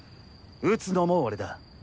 打つのも俺だ。